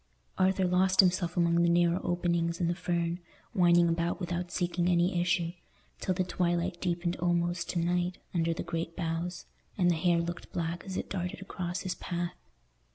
Arthur lost himself among the narrow openings in the fern, winding about without seeking any issue, till the twilight deepened almost to night under the great boughs, and the hare looked black as it darted across his path.